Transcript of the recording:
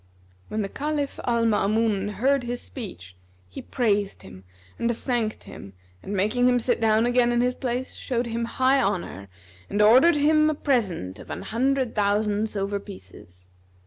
When the Caliph Al Maamun heard his speech, he praised him and thanked him and making him sit down again in his place, showed him high honour and ordered him a present of an hundred thousand silver pieces.